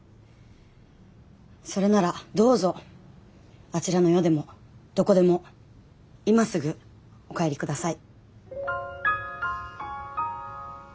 それならどうぞあちらの世でもどこでも今すぐお帰り下さい。